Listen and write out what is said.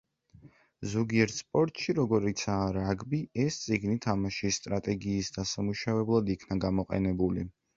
ზოგიერთ სპორტში, როგორიცაა რაგბი, ეს წიგნი თამაშის სტრატეგიის დასამუშავებლად იქნა გამოყენებული.